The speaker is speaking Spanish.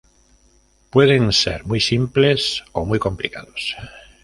Pueden ser muy simples o muy complicados.